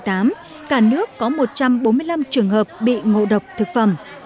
trong đó có bốn mươi năm trường hợp bị ngộ độc thực phẩm